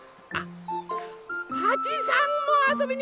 はちさんもあそびにきた！